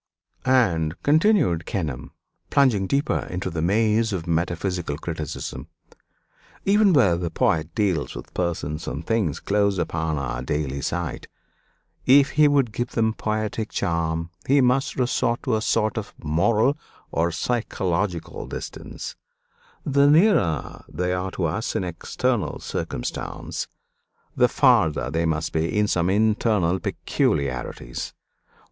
"And," continued Kenelm, plunging deeper into the maze of metaphysical criticism, "even where the poet deals with persons and things close upon our daily sight if he would give them poetic charm he must resort to a sort of moral or psychological distance; the nearer they are to us in external circumstance, the farther they must be in some internal peculiarities.